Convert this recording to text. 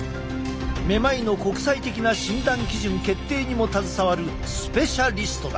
めまいの国際的な診断基準決定にも携わるスペシャリストだ！